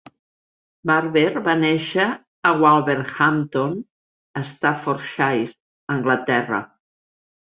Barber va néixer a Wolverhampton, Staffordshire, Anglaterra.